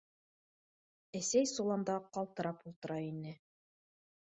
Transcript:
Әсәй соланда ҡалтырап ултыра ине.